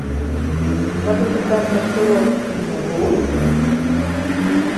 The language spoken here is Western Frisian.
Wat is de temperatuer yn 'e hûs?